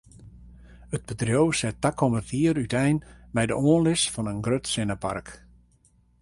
It bedriuw set takom jier útein mei de oanlis fan in grut sinnepark.